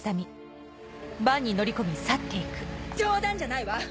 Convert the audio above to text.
冗談じゃないわ！